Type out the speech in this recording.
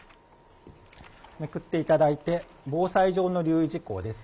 めくっていただいて、防災上の留意事項です。